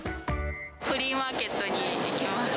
フリーマーケットに行きます。